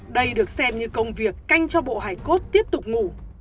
đây được xem như công việc canh cho bộ hải cốt tiếp tục ngủ